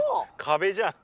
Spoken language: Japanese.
壁じゃん。